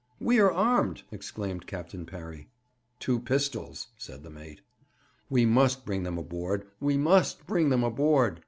'We are armed,' exclaimed Captain Parry. 'Two pistols,' said the mate. 'We must bring them aboard we must bring them aboard!'